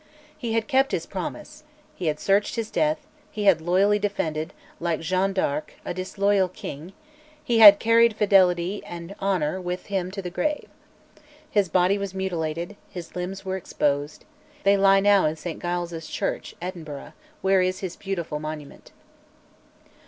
He had kept his promise; he had searched his death; he had loyally defended, like Jeanne d'Arc, a disloyal king; he had "carried fidelity and honour with him to the grave." His body was mutilated, his limbs were exposed, they now lie in St Giles' Church, Edinburgh, where is his beautiful monument.